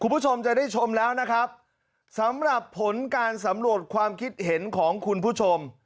คุณผู้ชมจะได้ชมแล้วนะครับสำหรับผลการสำรวจความคิดเห็นของคุณผู้ชม